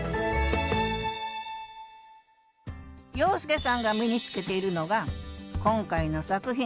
洋輔さんが身に着けているのが今回の作品。